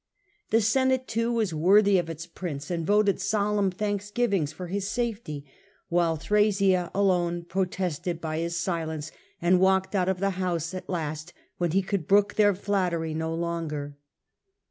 The Senate, too, was worthy and ublic prince, and voted solemn thanksgivings opinion con for his Safety, while Thrasea alone protested doned it. silencc, and walked out of the house at last when he could brook their flattery no longer.